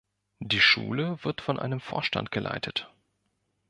Die Schule wird von einem Vorstand geleitet.